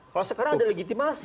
kalau sekarang ada legitimasi